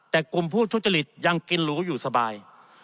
แต่กลุ่มผู้ทุจริตยังกินหรูอยู่สบาย